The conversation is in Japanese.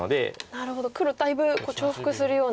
なるほど黒だいぶ重複するような。